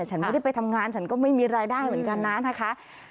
ฉันไม่ได้ไปทำงานฉันก็ไม่มีรายได้เหมือนกันนะนะคะ